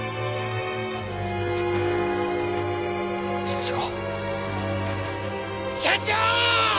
社長！